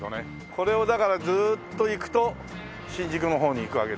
これをだからずっと行くと新宿の方に行くわけですよね。